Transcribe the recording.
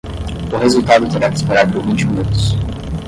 O resultado terá que esperar por vinte minutos.